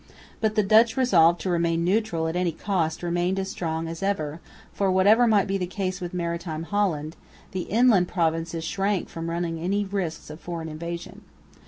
But the Dutch resolve to remain neutral at any cost remained as strong as ever, for, whatever might be the case with maritime Holland, the inland provinces shrank from running any risks of foreign invasion.